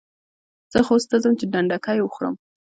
زه خوست ته ځم چي ډنډکۍ وخورم.